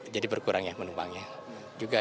jadi berkurang penumpangnya